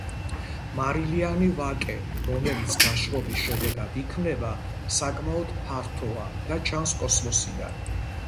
მარილიანი ვაკე, რომელიც გაშრობის შედეგად იქმნება, საკმაოდ ფართოა და ჩანს კოსმოსიდან.